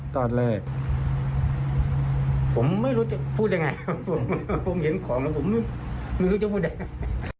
จอดเลยผมไม่รู้จะพูดยังไงครับผมเห็นของแล้วผมไม่รู้จะพูดยังไง